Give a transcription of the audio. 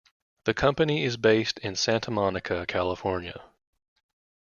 The company is based in Santa Monica, California.